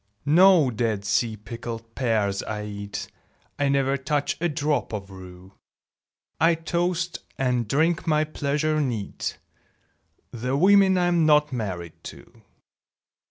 No Dead Sea pickled pears I eat; I never touch a drop of rue; I toast, and drink my pleasure neat, The women I'm not married to!